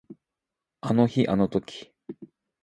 あの日あの時